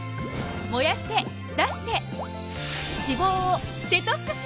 燃やして出して脂肪をデトックス！